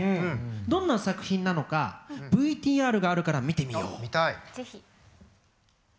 どんな作品なのかＶＴＲがあるから見てみよう。